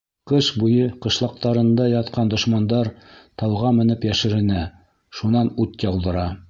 Ҡыш буйы ҡышлаҡтарында ятҡан дошмандар тауға менеп йәшеренә, шунан ут яуҙыра...